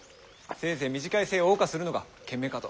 せいぜい短い生を謳歌するのが賢明かと。